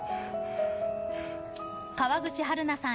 川口春奈さん